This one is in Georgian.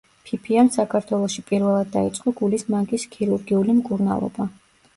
ფიფიამ საქართველოში პირველად დაიწყო გულის მანკის ქირურგიული მკურნალობა.